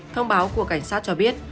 thông báo của cảnh sát cho biết